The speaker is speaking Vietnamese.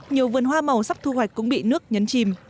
nhiều vườn hoa màu sắp thu hoạch cũng bị nước nhấn chìm